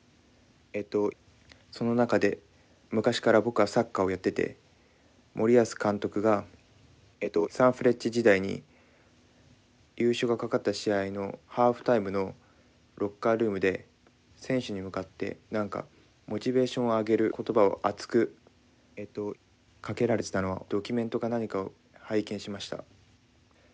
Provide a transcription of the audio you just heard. その中で昔から僕はサッカーをやってて森保監督がサンフレッチェ時代に優勝が懸かった試合のハーフタイムのロッカールームで選手に向かって何かモチベーションを上げる言葉を熱くかけられてたのをドキュメントか何かを拝見しました。